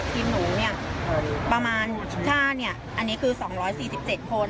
เออทีมหนูเนี่ยประมาณถ้าเนี่ยอันนี้คือสองร้อยสี่สิบเจ็ดคน